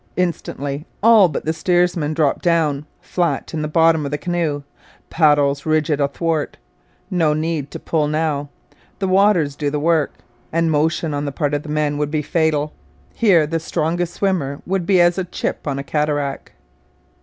Instantly all but the steersman drop down, flat in the bottom of the canoe, paddles rigid athwart. No need to pull now! The waters do the work; and motion on the part of the men would be fatal. Here the strongest swimmer would be as a chip on a cataract.